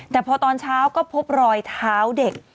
แต่พอตอนเช้าก็พบรอยเท้าเด็ก